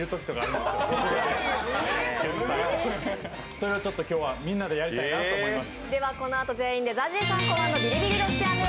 それをちょっと今日はみんなでやりたいなと思います。